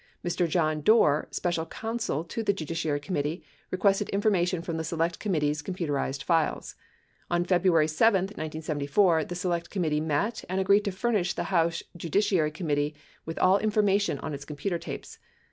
Mr. John Hoar, Special Counsel to the Judiciary Committee, requested information from the Select Committee's com puterized files. On February 7, 1974, the Select Committee met and agreed to furnish the House Judiciary Committee with all informa tion on its computer tapes.